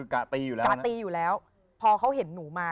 กะตีอยู่แล้วพ่อเขาเห็นหนูมา